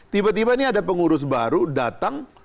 tiba tiba ini ada pengurus baru datang